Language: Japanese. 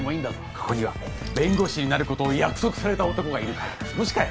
ここには弁護士になることを約束された男がいる無視かよ